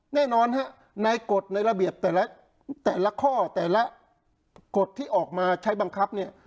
แน่นอนฮะในกฎในระเบียบแต่ละข้อแต่ละกฎที่ออกมาใช้บังคับเนี่ย